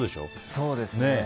そうですね。